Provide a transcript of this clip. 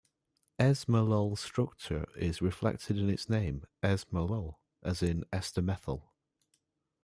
Esmolol's structure is reflected in its name, es-molol as in ester-methyl.